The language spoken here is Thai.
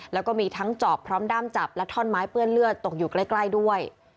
แล้วก็มีทั้งจอบพร้อมด้ามจับและท่อนไม้เปื้อนเลือดตกอยู่ใกล้ด้วย